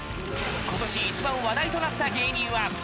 今年一番話題となった芸人は？